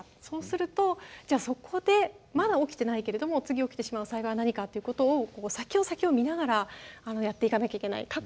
そうするとじゃあそこでまだ起きてないけれども次起きてしまう災害は何かということを先を先を見ながらやっていかなきゃいけない。